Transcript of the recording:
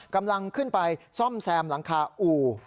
กำลังขึ้นไปซ่อมแซมหลังคาอู่